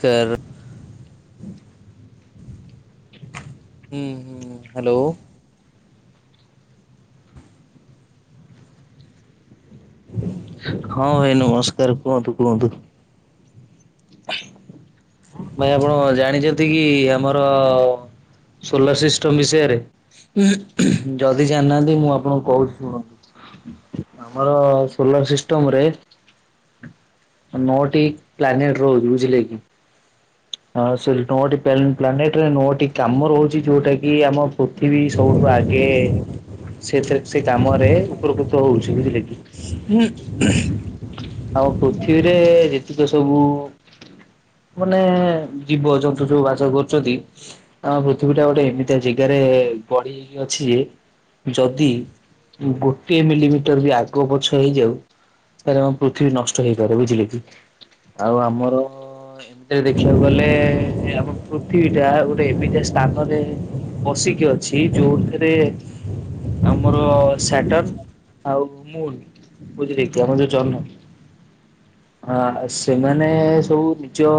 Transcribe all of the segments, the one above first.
Car ହୁଁ hello ହଁ ଭାଇ ନମସ୍କାର। କୁହନ୍ତୁ କୁହନ୍ତୁ। ଭାଇ ଆପଣ ଜାଣିଛନ୍ତି କି ଆମର ସୋଲାର ସିଷ୍ଟମ ବିଷୟରେ। ଯଦି ଜାଣିନାହାନ୍ତି ମୁଁ ଆପଣଙ୍କୁ କହୁଛି ଶୁଣନ୍ତୁ। ଆମର ସୋଲାର ସିଷ୍ଟମରେ ନଅଟି ପ୍ଲାନେଟ ରହୁଛି ବୁଝିଲେ କି ହଁ ସେ ନଅଟି ପ୍ଲାନେଟରେ ନଅଟି କାମ ରହୁଛି ଯୋଉଟା କି ଆମ ଏଠି ବି ସବୁଠୁ ଆଗେ ସେଥି ସେ କାମରେ ଉପକୃତ ହଉଛି ବୁଝିଲେ କି ଆଉ ପୃଥିବୀରେ ଯେତିକ ସବୁ ମାନେ ଜୀବ ଯନ୍ତୁ ସବୁ ଯୋଉ ବାସ କରୁଛନ୍ତି ହଁ ପୃଥିବୀ ଟା ଗୋଟେ ଏମିତିଆ ଜାଗାରେ ବଢି ଅଛି ଯେ ଯଦି ଗୋଟିଏ ମିଲିମିଟର ବି ଆଗ ପଛ ହେଇଯାଉଛି ତା ଆମ ପୃଥିବୀ ନଷ୍ଟ ହେଇପାରେ ବୁଝିଲେ କି ଆଉ ଆମର ସେ ଦେଖିବାକୁ ଗଲେ ଆମ ପୃଥିବୀଟା ଗୋଟେ ଏମିତିଆ ସ୍ଥାନରେ ବସିକି ଅଛି ଯୋଉଥିରେ ଆମର ସେଟର ଆଉ ମୁନ ବୁଝିଲେ କି ଆମର ଯେଉଁ ଜହ୍ନ ହଁ ସେମାନେ ସବୁ ନିଜ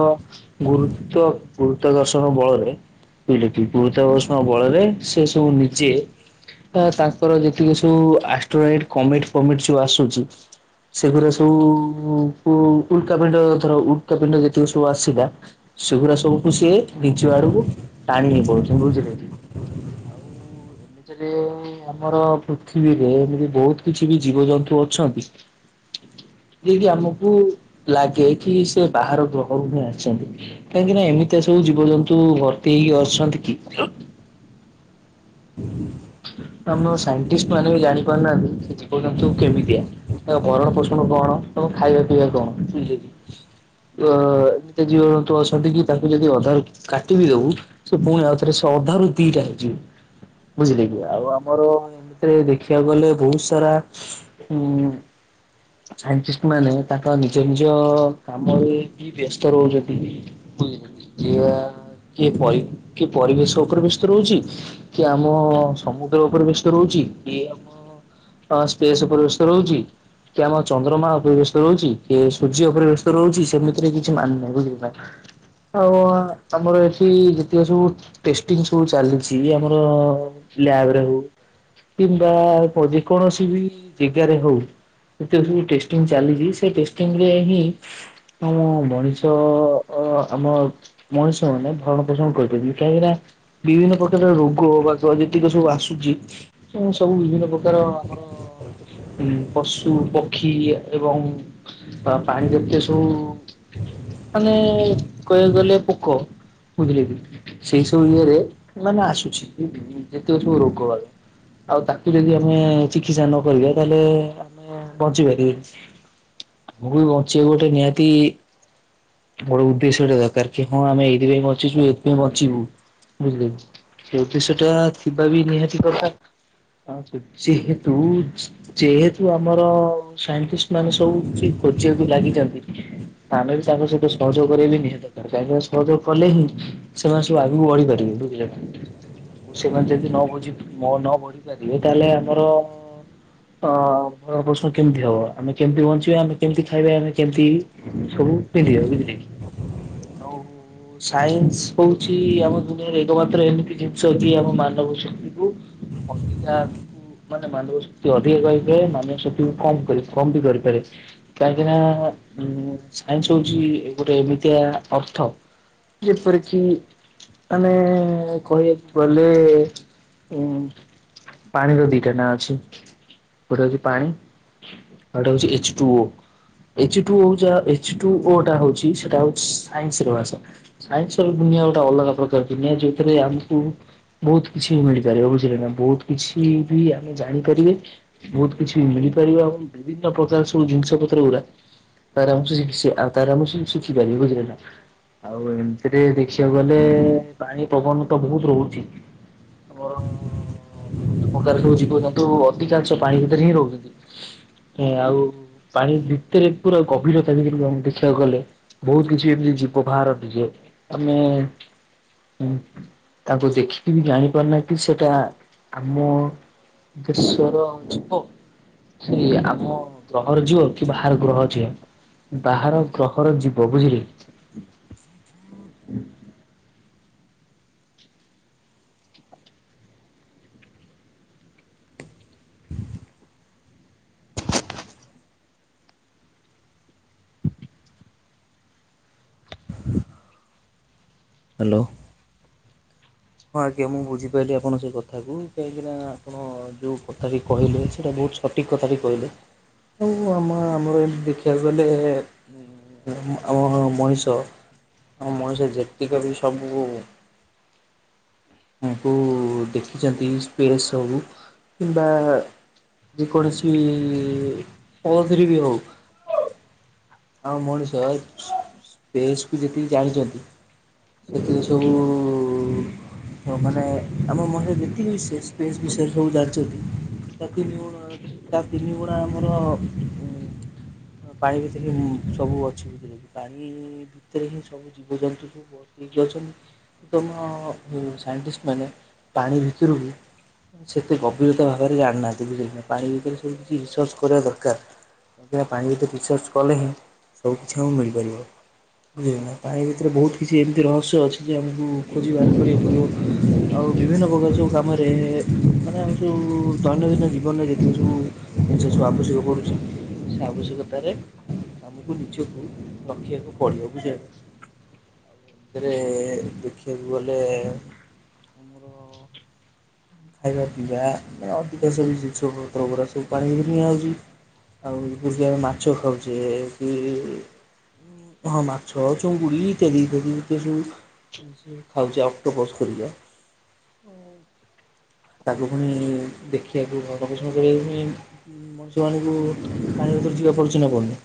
ଗୁରୁତ୍ୱ ଗୁରୁତ୍ୱ ଘର୍ଷଣ ବଳରେ କହିଲେ କି ଗୁରୁତ୍ୱ ବର୍ଣଣ ବଳରେ ସେ ସବୁ ନିଜେ ବା ତାଙ୍କର ଯେତିକି ସବୁ ଆଷ୍ଟ୍ରୋଏଟ କମିଟ ଫମିଟ ସବୁ ଆସୁଛି ସେଗୁ୍ରା ସବୁ ଉଲକା ପିଣ୍ଡ ଧର ଉଲକାପିଣ୍ଡ ଯେତିକି ସବୁ ଆ ଅସିଧା ସେଗୁରା ସବୁ ଖୁସି ହେଇ ନିଜ ଆଡକୁ ଟାଣି ହେଇ ପଡୁଛନ୍ତି ବୁଝିଲେ କି ଆଉ ଆମର ପୃଥିବୀରେ ଏମିତି ବହୁତ କିଛି ବି ଜୀବଜନ୍ତୁ ଅଛନ୍ତି [unintelligible] ଯିଏକି ଆମକୁ ଲାଗେ କି ସେ ବାହାର ଗ୍ରହରୁ ହିଁ ଆସିଛନ୍ତି କାହିଁକି ନା ଏମିତିଆ ସବୁ ଜୀବଜନ୍ତୁ ଭର୍ତି ହେଇକି ଆସୁଚନ୍ତି କି ହୁଁ [inaudible] ଆମର ସାଇଣ୍ଟିଷ୍ଟ ମାନେ ବି ଜାଣି ଖିପାରୁନାହାନ୍ତି କି ଯିବ ଯନ୍ତୁ କେମିତିଆ। ତା ଭରଣ ପୋଷଣ କଣ ତମ ଖାଇବା ପିଇବା କଣ ବୁଝିଲେକି। ଅ ଏମିତିଆ ଜୀବଜନ୍ତୁ ଅଛନ୍ତି କି ତାଙ୍କୁ ଯଦି ଅଧାରୁ କାଟିବି ଦବୁ ସେ ପୁଣି ଆଉଥରେ ସେ ଅଧାରୁ ଦିଟା ହେଇଯିବେ। ବୁଝିଲେ କି ଆଉ ଆମର ଏମିତିରେ ଦେଖିବାକୁ ଗଲେ ବହୁତ ସାରା ଉଁ ସାଇଣ୍ଟିଷ୍ଟ ମାନେ ତାଙ୍କ ନିଜ ନିଜ କାମରେ କି ବ୍ୟସ୍ତ ରହୁଛନ୍ତି। ବୁଜିଲେ କିଏ କିଏ ପରି କିଏ ପରିବେଶ ଉପରେ ବ୍ୟସ୍ତ ରହୁଚି। ଆମ ସମୁଦ୍ର ଉପରେ ବ୍ୟସ୍ତ ରହୁଛି କିଏ ଆମ ସ୍ପେସ ଉପରେ ବ୍ୟସ୍ତ ରହୁଚି। କି ଆମର ଚନ୍ଦ୍ରମା ଉପରେ ବ୍ୟସ୍ତ ରହୁଛି କିଏ ସୂର୍ଯ୍ୟ ଉପରେ ବ୍ୟସ୍ତ ରହୁଚି ସେମିତିରେ କିଛି ମାନେ ନାହିଁ ବୁଝିଲେ ନାଁ। ଆଉ ଆମର ଏଠି ଯେତିକ ସବୁ ଟେଷ୍ଟିଙ୍ଗ ସବୁ ଚାଲିଛି ଆମର। ଲ୍ୟାବରେ ହଉ କିମ୍ବା ଯେ କୌଣସି ବି ଜେଗାରେ ହଉ। ଏତେ ସବୁ ଟେଷ୍ଟିଂ ଚାଲିଚି ସେ ଟେଷ୍ଟିଂ ରେ ହିଁ ଆମ ମଣିଷ ଅ ଆମ ମଣିଷ ମାନେ ଭରଣ ପୋଷଣ କରିପାରନ୍ତି କାହିଁକି ନା ବିଭିନ୍ନ ପ୍ରକାର ରୋଗ ବା ଗ ଯେତିକ ସବୁ ଆସୁଚି ଏମିତି ସବୁ ବିଭିନ୍ନ ପ୍ରକାର ଆମର ଉ ପଶୁ ପକ୍ଷୀ ଏବଂ ପାଣି ଜାତୀୟ ସବୁ ମାନେ କହିବାକୁ ଗଲେ ପୋକ। ବୁଝିଲେ କି ସେଇ ସବୁ ଇଏରେ ମାନେ ଆସୁଛି ଯେତିକ ସବୁ ରୋଗ ବାଗ। ଆଉ ତାକୁ ଯଦି ଆମେ ଚିକିତ୍ସା ନ କରିବା ତାହେଲେ ଆମେ ବଞ୍ଚି ପାରିବେନି। ମୁଁ ବି ବଞ୍ଚି ବାକୁ ଗୋଟେ ନିହାତି ବଡ ଉଦ୍ଦେଶ୍ୟଟେ ଦରକାର କି ହଁ ଆମେ ଏଇଥିପାଇଁ ବଞ୍ଚିଚୁ ଏଇଥିପାଇଁ ବଚଞ୍ଚିବୁ ବୁଝିଲେକି। ତି ସେଟା ଥିବା ବି ନିହାତି ଦରକାର ଯେହେତୁ ଯେହେତୁ ଆମର ସାଇଣ୍ଟିଷ୍ଟ ମାନେ ସବୁ କିଛି ଖୋଜିବାକୁ ଲାଗିଛନ୍ତି। ଆମେ ବି ତାଙ୍କ ସହିତ ସହଯୋଗ କରିବା ବି ନିହାତି ଦକାର କାହିଁକିନା ସହଯୋଗ କଲେ ହିଁ ସେମାନେ ସବୁ ଆଗକୁ ବଢିପାରିବେ ବୁଝିଲେ ନାଁ ମୁଁ ସେମାନେ ଯଦି ନ ବୁଝି ମୋ ନ ବଢି ପାରିବେ ତାହେଲେ ଆମର ଅ ପ୍ରଶ୍ନ କେମିତି ହବ ଆମେତ କେମିତି ବଞ୍ଚିବା ଆମେ କେମିତି ଖାଇବା ଆମେ କେମିତି ସବୁ ପିନ୍ଧିବା ବୁଝିଲେ କି। ଆଉ ସାଇନ୍ସ ହଉଛି ଆମ ଦୁନିଆରେ ଏକମାତ୍ର ଏମିତି ଯି ସ ଯିଏ ଆମ ମାନବ ଶକ୍ତିକୁ ଅଧିକାକୁ ମାନେ ମାନବ ଶକ୍ତି ଅଧିକ କହିପାରେ ମାନବ ଶକ୍ତି କୁ କମ କରି କମ ବି କରିପାରେ। କାହିଁକିନା ସାଇନ୍ସ ହଉଛି ଗୋଟେ ଏମିତିଆ ଅର୍ଥ। ଯେପରିକି ଆମେ କହିବା ଗଲେ ଉ ପାଣିର ଦିଟା ନା ଅଛି। ଗୋଟେ ହଉଛି ପାଣି ଆଉ ଗୋଟେ ହଉଛି H two O. H two O ଯା ଏଚ୍ ଟୁ ଓଟା ହଉଛି ସେଟା ହଉଛି ସାଇନ୍ସ ର ଭାଷା। ସାଇନ୍ସର ଦୁନିଆ ଗୋଟେ ଅଲଗା ପ୍ରକାର ଦୁନିଆ ଯୋଉଥିରେ ଆମକୁ ବହୁତ କିଛି ମିଳିପାରିବ ବୁଝିଲେ ନା ବହୁତ କିଛି ବି ଆମେ ଜାଣିପାରିବେ। ବହୁତ କିଛି ମିଳିପାରିବା ଏବଂ ବିଭିନ୍ନ ପ୍ରକାର ସବୁ ଜିନିଷ ପତ୍ର ଗୁରା। ଆରମସେ ଶିଖି ସେ ଆଉ ତାରାମଶ ଶିଖି ପାରିବେ ବୁଝିଲେନା। ଆଉ ଏମିତିରେ ଦେଖିବାକୁ ଗଲେ ପାଣି ପବନ। ତ ବହୁତ ରହୁଛି ବରଂ ବିଭିନ୍ନ ପକାର ହଉ ଜୀବ ଯେନ୍ତୁ ଅଧିକାଂଶ ପାଣି ଭିତରେ ହିଁ ରହୁଛନ୍ତି ଆଉ ପାଣି ଭିତରେ ପୁରା ଗଭୀରତା [unintelligible] ଦେଖିବାକୁ ଗଲେ ବହୁତ କିଛି ଏମତି ଯିବ ବାହାରନ୍ତିଯେ ଆମେ ତାଙ୍କୁ ଦେଖିକି ବି ଜାଣିପାରୁନାହିଁ କି ସେଟା ଆମ କେଶ୍ୱର ଜୀବ। କି ଆମ ଗ୍ରହର ଝିଅ କି ବାହାର ଗ୍ରହ ଝିଅ ବାହାର ଗ୍ରହର ଯିବ ବୁଝିଲେ ହୁଁ [unintelligible] ହ୍ୟାଲୋ। ହଁ ଆଜ୍ଞା ମୁଁ ବୁଝିପାଇଲି ଆପଣଙ୍କ ସେ କଥା କୁ କାହିଁକି ନା ହଁ ଯୋଉ କଥାଟି କହିଲେ ସେଇଟା ବହୁତ ସଠିକ୍ କଥାଟି କହିଲେ। ମୁ ଆମ ଆମର ଏ ଦେଖିବାକୁ ଗଲେ ଆମ ମଣିଷ ଆମ ମଣିଷ ଯେତିକି ବି ସବୁ କୋଡ଼ ଦେଖିଛନ୍ତି ସ୍ଫୋସ୍‌ ସବୁ କିମ୍ବା ଯେ କୌଣସି ପଅଜିରେ ବି ହଉ। ଆଉ ମଣିଷ ସ୍ପେସ କୁ ଯେତିକି ଜାଣିଛନ୍ତି। ଏଥିରେ ସବୁ। ତ ମାନେ ଆମ ମନରେ ଯେତିକି ବି ସେ ସ୍ପେସ୍ ବିଷୟରେ ସବୁ ଜା ତା ତିନି ଗୁଣ ତା ତିନି ଗୁଣା ଆମର ପାଣି ଭିତରେ ହିଁ ସବୁ ଅସୁବିଧା ଲଛି ପାଣି ଭିତରେ ହିଁ ସବୁ ଜୀବଜନ୍ତୁ ସବୁ। ବତିକି ଅଛନ୍ତି ତମ ସାଇଣ୍ଟିଷ୍ଟ ମାନେ ପାଣି ଭିତରୁ ବି। ସେତେ ଗଭୀରତା ଭାବରେ ଜାଣିନାହାନ୍ତି ବୁଝିଲନା ପାଣି ଭିତରେ ସବୁ କିଛି ରିସର୍ଚ କରିବା ଦରକାର। ଏହା ପାଣି ଭିତରେ ରିସର୍ଚ୍ଚ କଲେ ହିଁ ସବୁକିଛି ଆଉ ମିଳିପାରିବନି। ବୁଝିଲନା ପାଣି ଭିତରେ ବହୁତ କିଛି ଏମିତି ରହସ୍ୟ ଅଛି ଯେ ଆମକୁ ଖୋଜି ବାହାର କରିବାକୁ ପଡିବ। ଆଉ ବିଭିନ୍ନ ପ୍ରକାର ସବୁ କାମରେ ମାନେ ଆମେ ସବୁ ଦୈନନ୍ଦିନ ଜୀବନରେ ଯେତେକି ସବୁ। ସେ ସବୁ ଆବଶ୍ୟକ ପଡୁଛି ସେ ଆବଶ୍ୟକତା ରେ। ଆମକୁ ନିଜକୁ ରଖିବାକୁ ପଡିବ ବୁଝିଲ। ରେ ଦେଖିବାକୁ ଗଲେ ଆମର। ଖାଇବା ପିଇବା ଆଉ ଟିକେ ସବୁ ଜିଂଶପତ୍ର ଗୁଡା ସବୁ ପାଣି ଭିତରକୁ ନିଆଯାଉଛି। ଆଉ ଏକ ମାଛ ଖାଉଚେ। ହଁ ମାଛ ଚିଙ୍ଗୁଡ଼ି ଇତ୍ୟାଦି ଇତ୍ୟାଦି ଯେତେ ସବୁ। ଖାଉଛି ଅକ୍ଟୋପସ ଘରୀକା। ତାକୁ ପୁଣି ଦେଖିବାକୁ ଗବେଷଣା କରିବାକୁ ଯାଇଁ। ମଣିଷ ବାଣୀକୁ ପାଣି ଭିତରେ ଯିବା ପଡୁଛି ନା ପଡ଼ୁନି।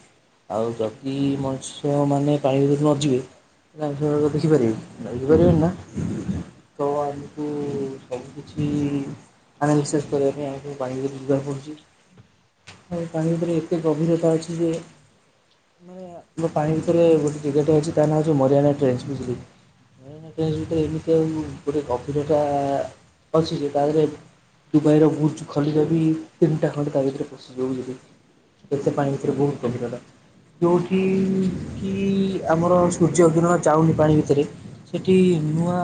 ଆଉ ଯଦି ମଣିଷମାନେ ପାଣି ଭିତରୁ ନଯିବେ। ନା ଏ ସବୁ ଦେଖିପାରିବି ନା ପାରିବିନା। ତ ଆମକୁ ସବୁ କିଛି କି କାହା ରିସର୍ଚ କରିବା ପାଇଁ ଆମେ ସବୁ ପାଣି ଭିତରେ ଯିବାକୁ ପଡୁଛି। ଆଉ ପାଣି ଭିତରେ ଏତେ ଗଭୀରତା ଅଛି ଯେ ନାଇଁ ଆମ ପାଣି ଭିତରେ ଗୋଟେ ଟିକେଟ୍ ଅଛି ତା ନାଁ ହେଉଛି ମରିୟଣା ଟ୍ରେଞ୍ଜ। ନାହିଁ ଏମିତି ଆଉ ଗୋଟେ ଗଭୀରତା। ଅଛି ଯେ ପାଣିରେ ଦୁବାଇର ବୁର୍ଜ ଖଲିଫା ବି। ତିନିଟା ଖଣ୍ଡେ ତା ଭିତରେ ପଶି ଜିବ ଏତେ ପାଣି ଭିତରେ ବହୁତ ଗଭୀରତା। ଯୋଭଠି କି ଆମର ସୂର୍ଯ୍ୟ କିରଣ ଯାଉନି ପାଣି ଭିତରେ। ସେଠି ନୂଆ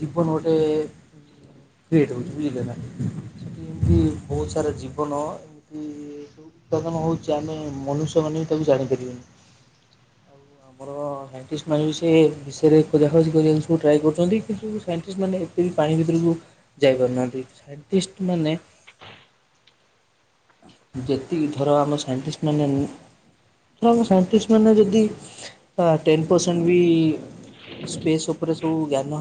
ଜୀବନ ଗୋଟେ। କ୍ରିଏଟ୍ ହେଉଛି ବୁଝିଲେ ନା ସେଠି ଏମିତି ବହୁତ ସାରା ଜୀବନ। ଏମତି ସୁ ଉତ୍ପାଦନ ହେଉଛି ଆମେ ମନୁଷ୍ୟମାନେ ବିିଁ ତାକୁ ଜାଣିପାରିବାନି। ଆଉ ଆମର। ସାଇଣ୍ଟିଷ୍ଟ ମାନ ବି ସେ ବିଷୟରେ ଖୋଜାଖୋଜି ଜିନିଷକୁ ଟ୍ରାଏ କରୁଛନ୍ତି କିନ୍ତୁ ସାଇଣ୍ଟିଷ୍ଟ ମାନେ ଏତେ। ପାଣି ଭିତରକୁ ଯାଇ ପାରୁନାହାନ୍ତି ସାଇଣ୍ଟିଷ୍ଟ ମାନେ। ଯେତିକି ଥର ଆମ ସାଇଣ୍ଟିଷ୍ଟ ମାନେ ଧର ସାଇଣ୍ଟିଷ୍ଟ ମାନେ ଯଦି ଟେନ୍ ପରସେଣ୍ଟ ବି ସ୍ପେସ୍ ଉପରେ ସବୁ ଜ୍ଞାନ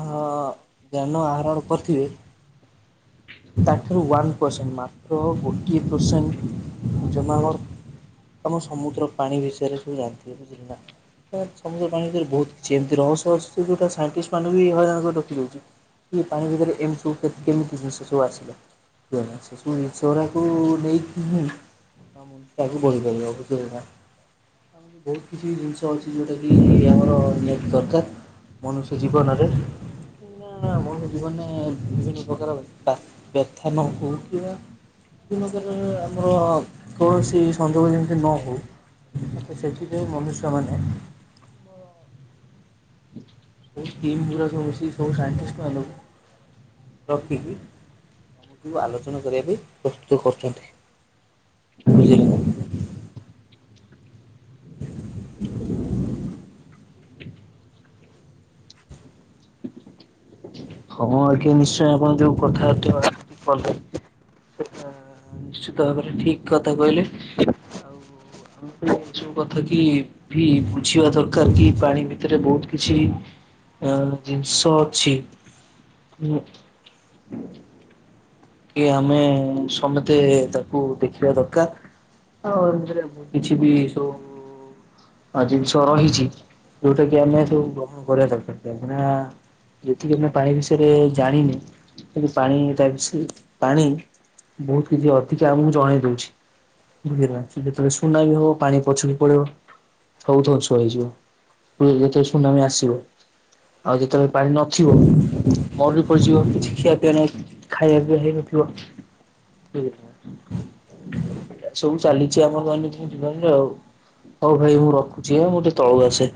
ଜ୍ଞାନ ଆହରଣ କରିଥିବେ। [inaudible] ତାଠାରୁ ୱାନ୍ ପରସେଣ୍ଟ ମାତ୍ର ଗୋଟିଏ ପରସେଣ୍ଟ ଜମାବ ଆମ ସମୁଦ୍ର ପାଣି ବିଷୟରେ ସବୁ ଜାଣିଥିବେ ବୁଝିଲୁ ନା। ଆ ସମୁଦ୍ର ପାଣି ଭିତରେ ବହୁତ କିଛି ଏମତି ରହସ୍ୟ ଅଛି ଯୋଉଟା ସାଇଣ୍ଟିଷ୍ଟ୍ ମାନଙ୍କୁ ବି ହଇରାଣ କରି ରଖି ଦଉଚି। କି ପାଣି ଭିତରେ ଏମତି କେତ୍ କେମିତି ଜିନିଷ ସବୁ ଆସିଲା? [unintelligible] ସେଗୁଡାକୁ ନେଇକି ହିଁ ମୁଁ ତାକୁ [unintelligible] ବୁଝିଇଲ୍ ନା। ବହୁତ କିଛି ଜିନିଷ ଅଛି ଯୋଉଟା କି ଆମର ନିହାତି ଦରକାର। ମନୁଷ୍ୟ ଜୀବନରେ। ଜୀବନରେ ବିଭିନ୍ନ ଉପକାରର ବା ବ୍ୟଥାନ ହୋଉଥିବା କିନଗରରେ ଆମର ଅ କୌଣସି ସଂଯୋଗ ଯେମତି ନ ହଉ। ତ ସେଥିପାଇଁ ମନୁଷ୍ୟମାନେ ଟିମ୍ ପୁରା ସବୁ ମିଶିକ୍ ସବୁ ସାଇଣ୍ଟିଷ୍ଟ୍ ମାନଙ୍କୁ ରଖିକି ଆଲୋଚନା କରିବା ପାଇଁ ପ୍ରସ୍ତୁତ କରୁଛନ୍ତି। ବୁଝିଲେ? ହଁ ଆଜ୍ଞା ନିଶ୍ଚୟ ଆପଣ ଯୋଉ କଥାର୍ଟା କଲେ [unintelligible] ହଁଁ। ନିଶ୍ଚିତ ଭାବରେ ଠିକ୍ କଥା କହିଲେ। ଯୋଉ କଥା କି ଭି ବୁଝିବା ଦରକାର କି ପାଣି ଭିତରେ ବହୁତ୍ କିଛି ଆ ଜିନିଷ ଅଛି ମୁଁ କିଏ ଆମେ ସମତେ ତାକୁ ଦେଖିବା ଦରକାର। ଆଉ ଏମତିରେ କିଛି ବି ସବୁ ଆଜି ବି ଶରଣ ହେଇଚି ଯୋଉଟାକୁ ଆମେ ସବୁ ଗ୍ରହଣ କରିବା ଦରକାର। ଜାଣିଚୁ ନା? ଯେତିକି ଆମେ ପାଣି ବିଷୟରେ ଜାଣିନି କିନ୍ତୁ ପାଣି ତା ବିଷୟ ପାଣି ବହୁତ କିଛି ଅଧିକା ଆମକୁ ଜଣେଇ ଦଉଚି। ବୁଝିିପାଇଲ, ଯେତବେଳେ ସୁନାମି ହବ ପାଣି ପଛକୁ ପଳେଇବ। ସବୁ ଧ୍ୱଂସ ହେଇଯିବ। ପୁଣି ଯେତେବେଳେ ସୁନାମି ଆସିବ। ଆଉ ଯେତବେଳେ ପାଣି ନଥିବ। ମରୁଡି ପଡିଯିବ କିଛି ଖିଆ ପିଆ ନାହିଁ। ଖାଇବା ପିଇବା ହେଇ ନଥିବ। ସବୁ ଚାଲିଚି ଆମ ଦୈନନ୍ଦିନ ଜୀବନରେ ଆଉ। ହଉ ଭାଇ ମୁଁ ରଖୁଚି ଆ ମୁଁ ଟିକେ ତଳୁ ଆସେ।